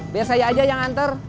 biar saya aja yang antar